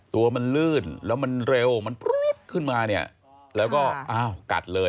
ตัวมันลื่นแล้วมันเร็วมันปุ๊บขึ้นมาแล้วก็กัดเลย